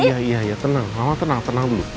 iya iya iya tenang mama tenang tenang dulu